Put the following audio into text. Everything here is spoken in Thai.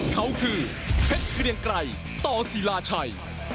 เขาคือเพชรเกรียงไกรต่อศิลาชัย